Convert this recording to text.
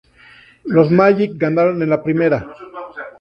Los Magic ganaron en la primera.